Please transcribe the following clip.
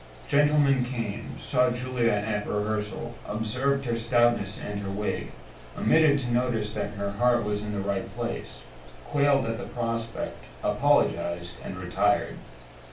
Gentlemen came; saw Julia at rehearsal; observed her stoutness and her wig; omitted to notice that her heart was in the right place; quailed at the prospect, apologized, and retired.